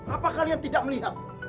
apakah kalian tidak melihat